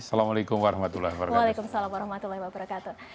waalaikumsalam warahmatullahi wabarakatuh